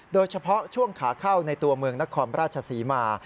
โดยเฉพาะช่วงขาเข้าในตัวเมืองนครราชศรีมา